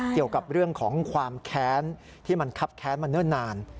เกี่ยวกับเรื่องของความแค้นที่มันคับแค้นมาเนิ่นนาน